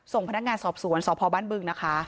ส่งพนักงานสอบสวนสพบ้านบึงนะคะ